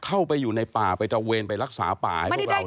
เข้าไปอยู่ในป่าไปตระเวนไปรักษาป่าให้พวกเรา